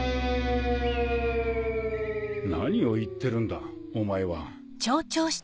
何を言ってるんだお前は。